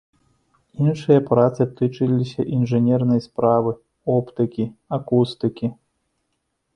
Іншыя працы тычыліся інжынернай справы, оптыкі, акустыкі.